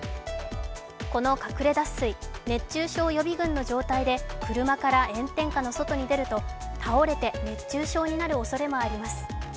このかくれ脱水、熱中症予備軍の状態で車から炎天下の外に出ると倒れて熱中症になるおそれもあります。